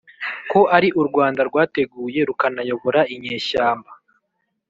Ko ari u rwanda rwateguye rukanayobora inyeshyamba